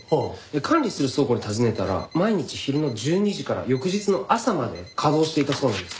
管理する倉庫に尋ねたら毎日昼の１２時から翌日の朝まで稼働していたそうなんです。